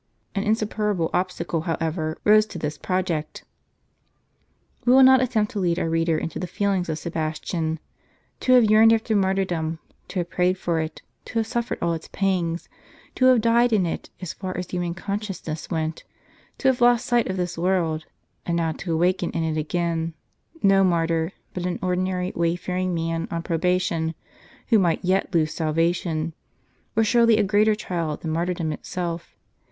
An insuperable obstacle, however, rose to this project. We will not attempt to lead our reader into the feelings of Sebastian. To have yearned after martyrdom, to have prayed for it, to have suffered all its pangs, to have died in it as far as human consciousness went, to have lost sight of this world, and now to awaken in it again, no martyr, but an ordinary wayfaring man on j)robation, who might yet lose salvation, — was surely a greater trial than martyrdom itself.